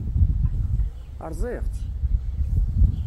Rẓiɣ-tt?